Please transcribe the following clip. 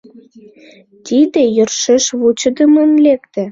Тиде йӧршеш вучыдымын лекте.